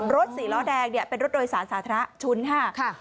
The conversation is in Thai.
รถสีล้อแดงเป็นรถโดยสารสาธาระชุนค่ะ